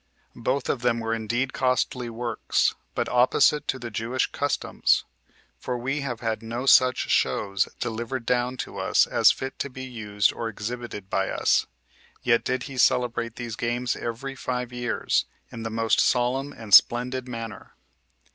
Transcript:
Both of them were indeed costly works, but opposite to the Jewish customs; for we have had no such shows delivered down to us as fit to be used or exhibited by us; yet did he celebrate these games every five years, in the most solemn and splendid manner.